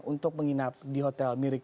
untuk menginap di hotel mirip